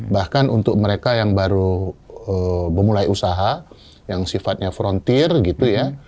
bahkan untuk mereka yang baru memulai usaha yang sifatnya frontir gitu ya